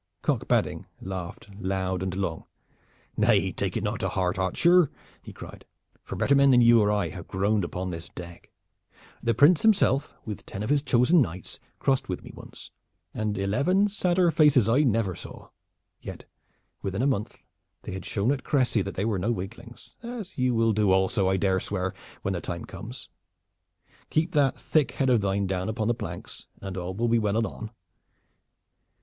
Cock Badding laughed loud and long. "Nay, take it not to heart, archer," he cried; "for better men than you or I have groaned upon this deck. The Prince himself with ten of his chosen knights crossed with me once, and eleven sadder faces I never saw. Yet within a month they had shown at Crecy that they were no weaklings, as you will do also, I dare swear, when the time comes. Keep that thick head of thine down upon the planks, and all will be well anon.